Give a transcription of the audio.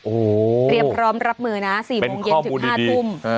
โอ้โหเตรียมพร้อมรับมือนะ๔โมงเย็นถึง๕ทุ่ม